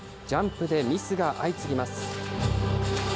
ジャンプでミスが相次ぎます。